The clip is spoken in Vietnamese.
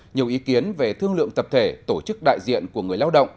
nhiều ý kiến về thương lượng tập thể tổ chức đại diện của người lao động